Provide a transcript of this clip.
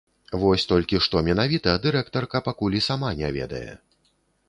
Вось толькі што менавіта, дырэктарка пакуль і сама не ведае.